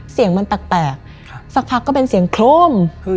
เสียงมันแปลกสักพักก็เป็นเสียงโครม